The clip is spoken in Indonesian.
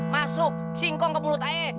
masuk singkong ke mulut air